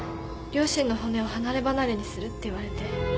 両親の骨を離れ離れにするって言われて。